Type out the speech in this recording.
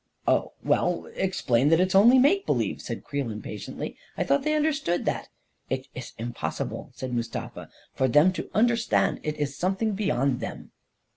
" Oh, well, explain that it is only make believe," said Creel impatiently. " I thought they understood that!" " It iss impossible," said Mustafa, " for them to understand. It iss something beyond them."